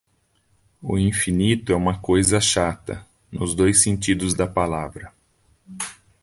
O infinito é uma coisa chata, nos dois sentidos da palavra.